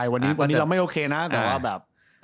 วันนี้เราไม่โอเคนะแต่ว่าแบบ